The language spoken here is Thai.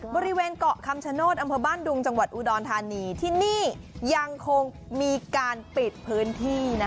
บริเวณเกาะคำชโนธอำเภอบ้านดุงจังหวัดอุดรธานีที่นี่ยังคงมีการปิดพื้นที่